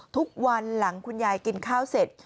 ทุกวันหลังคุณยายกินข้าวเสร็จ